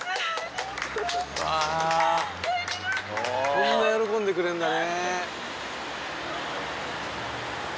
こんな喜んでくれるんだね。